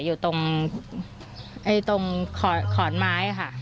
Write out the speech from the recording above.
อยู่ตรงขอนไม้ค่ะ